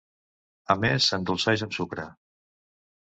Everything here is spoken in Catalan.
A més, s'endolceix amb sucre.